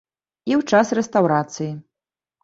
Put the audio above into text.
І ў час рэстаўрацыі.